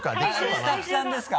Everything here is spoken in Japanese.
スタッフさんですか？